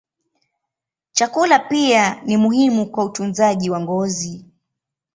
Chakula pia ni muhimu kwa utunzaji wa ngozi.